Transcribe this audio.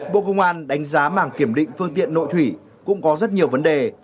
bộ công an đánh giá màng kiểm định phương tiện nội thủy cũng có rất nhiều vấn đề